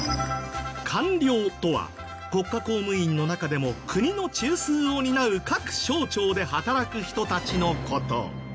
官僚とは国家公務員の中でも国の中枢を担う各省庁で働く人たちの事。